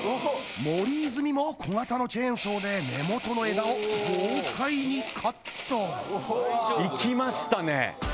森泉も小型のチェーンソーで根元の枝を豪快にカットいきましたね